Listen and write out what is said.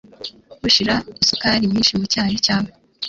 Ushira isukari nyinshi mu cyayi cyawe.